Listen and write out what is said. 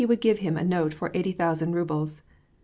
191 would g^ve him a note for eighty thousand rubles.